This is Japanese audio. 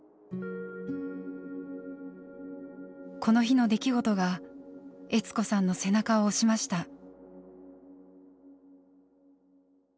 この日の出来事が悦子さんの背中を押しました。